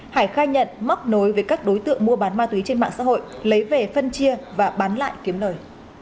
hải khai nhận mắc nối với các đối tượng mua bán ma túy trên mạng xã hội lấy về phân chia và bán lại kiếm lời